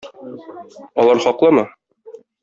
Алар хаклымы?